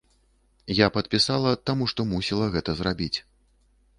Я падпісала, таму што мусіла гэта зрабіць.